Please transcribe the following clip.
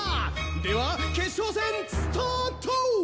では決勝戦スタート！